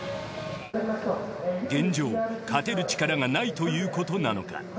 現状勝てる力がないということなのか。